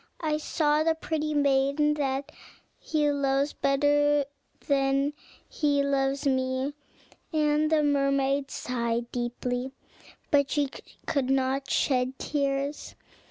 I saw the pretty maiden that he loves better than he loves me;" and the mermaid sighed deeply, but she could not shed tears.